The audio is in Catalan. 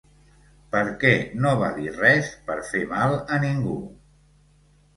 Perquè no va dir res per fer mal a ningú.